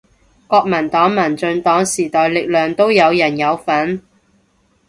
國民黨民進黨時代力量都有人有份